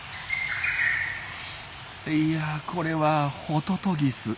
いやこれはホトトギス。